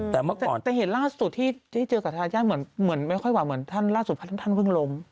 แต่เห็นล่าสุดที่เกิดเจอกับทาแย่เหมือนกันท่านพึ่งลม